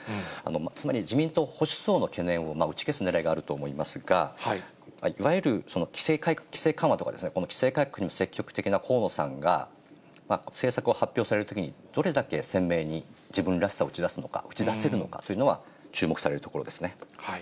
つまり、自民党保守層の懸念を打ち消すねらいがあると思いますが、いわゆる規制緩和とか、この規制改革に積極的な河野さんが、政策を発表されるときにどれだけ鮮明に自分らしさを打ち出すのか、打ち出せるのかっていうのは注目されるところですね。